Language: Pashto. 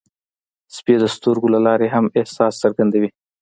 سپي د سترګو له لارې هم احساس څرګندوي.